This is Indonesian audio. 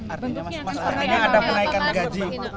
artinya ada penaikan gaji